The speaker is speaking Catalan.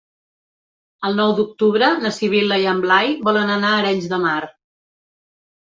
El nou d'octubre na Sibil·la i en Blai volen anar a Arenys de Mar.